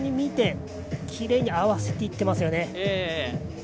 きれいに合わせていってますよね。